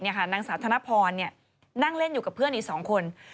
นางสาวธนพรนั่งเล่นอยู่กับเพื่อนอีก๒คน